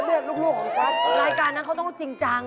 ลูกของฉันรายการนั้นเขาต้องจริงจัง